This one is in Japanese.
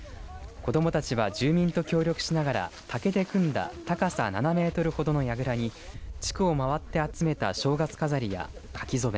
子どもたちは住民と協力しながら竹で組んだ高さ７メートルほどのやぐらに地区をまわって集めた正月飾りや書き初め